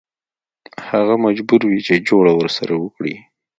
هغه مجبور وي چې جوړه ورسره وکړي.